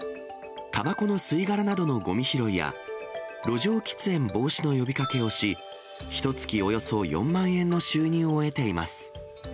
たばこの吸い殻などのごみ拾いや、路上喫煙防止の呼びかけをし、ひとつきおよそ４万円の収入を得ています。